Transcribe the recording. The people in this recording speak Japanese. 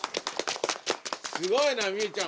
すごいな望結ちゃん。